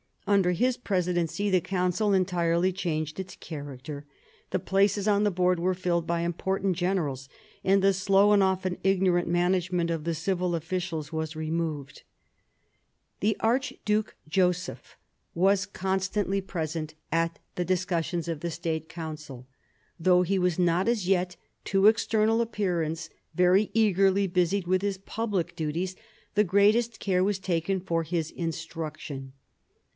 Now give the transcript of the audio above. Under his presidency the Council entirely changed its character. The places on the board were filled by important generals, and the slow and often ignorant management of the civil officials was removed. The Archduke. Joseph was constantly present at the 194 MARIA THERESA ohap. ix discussions of the State Council. Though he was not as yet, to external appearance, very eagerly busied with his public duties, the greatest care was taken for his instruction.